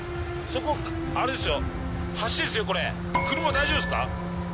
車大丈夫ですか？